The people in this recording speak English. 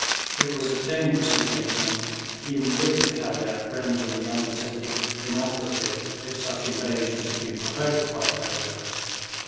It was a dangerous engagement, even with the caveat rendering the undertaking inoperative if such invasion should be provoked by Persia.